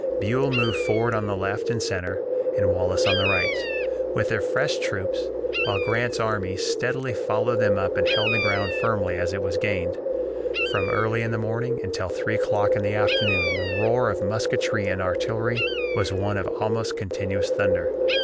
Buell moved forward on the left and center, and Wallace on the right, with their fresh troops, while Grant's army steadily followed them up and held the ground firmly as it was gained. From early in the morning until three o'clock in the afternoon the roar of musketry and artillery was one almost continuous thunder.